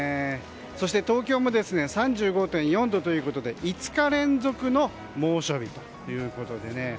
そして東京も３５．４度ということで５日連続の猛暑日ということで。